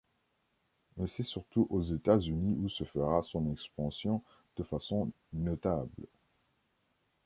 Mais c'est surtout aux États-Unis où se fera son expansion de façon notable.